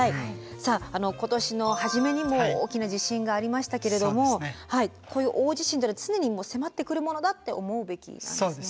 さあ今年の初めにも大きな地震がありましたけれどもこういう大地震っていうのは常に迫ってくるものだって思うべきなんですね。